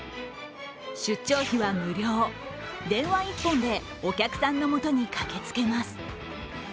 出張費は無料、電話１本でお客さんのもとに駆けつけます。